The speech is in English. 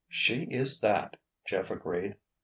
"She is that!" Jeff agreed.